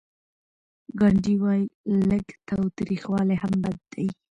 ګاندي وايي لږ تاوتریخوالی هم بد دی.